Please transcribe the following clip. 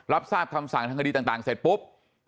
รับทราบคำสั่งทางคดีต่างเสร็จปุ๊บ